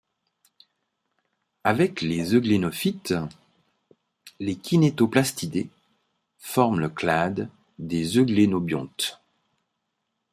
Avec les euglénophytes, les Kinétoplastidés forment le clade des Euglénobiontes.